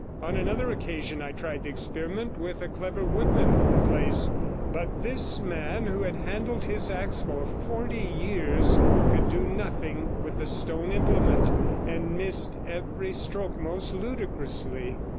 On another occasion I tried the experiment with a clever woodman of the place; but this man, who had handled his axe for forty years, could do nothing with the stone implement, and missed every stroke most ludicrously.